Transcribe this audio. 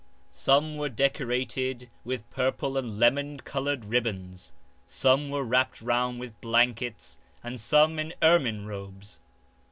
Some were decor ated with purple and lemon coloured ribbons ; some were wrapped round with blankets and some in ermine robes.